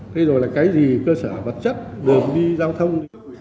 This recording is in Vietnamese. thế rồi là cái gì cơ sở vật chất đường đi giao thông